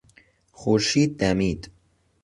خورشید دمید.